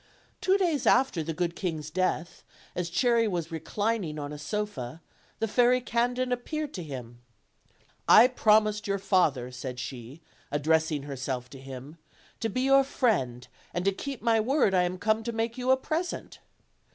Two days after the good king's death, as Cherry was reclining on a sofa, the Fairy Candid appeared to him. "I promised your father/' said she, addressing herself to him, "to be your friend; and to keep my word I am come to make you a present."